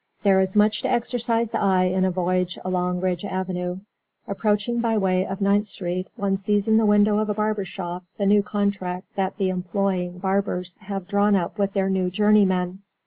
There is much to exercise the eye in a voyage along Ridge Avenue. Approaching by way of Ninth Street, one sees in the window of a barber shop the new contract that the employing barbers have drawn up with their journeymen.